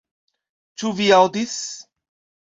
Ĉu vi aŭdis